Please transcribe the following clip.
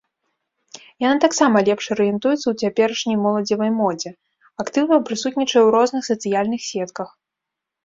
Яна таксама лепш арыентуецца ў цяперашняй моладзевай модзе, актыўна прысутнічае ў розных сацыяльных сетках.